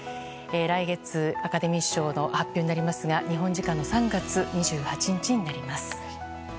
来月、アカデミー賞の発表になりますが、日本時間の３月２８日になります。